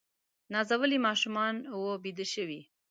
نازولي ماشومان وه بیده شوي